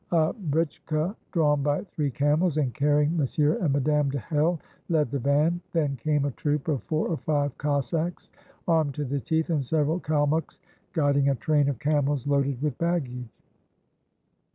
A britchka, drawn by three camels, and carrying Monsieur and Madame de Hell, led the van; then came a troop of four or five Cossacks, armed to the teeth, and several Kalmuks guiding a train of camels loaded with baggage.